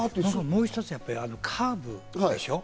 もう一つ、カーブでしょ？